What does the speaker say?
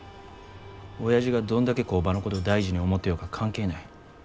おやじがどんだけ工場のことを大事に思ってようが関係ない。